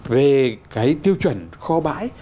về cái tiêu chuẩn kho bãi